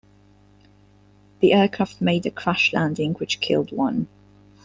The aircraft made a crash landing, which killed one.